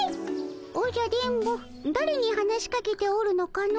おじゃ電ボだれに話しかけておるのかの？